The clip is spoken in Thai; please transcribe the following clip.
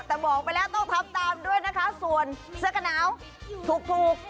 แต่บอกไปแล้วต้องทำตามด้วยนะคะส่วนเสื้อกระหนาวถูก